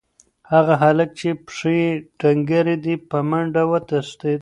هغه هلک چې پښې یې ډنګرې دي، په منډه وتښتېد.